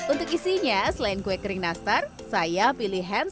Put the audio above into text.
untuk isinya selain kue kering nastar saya pilih hensai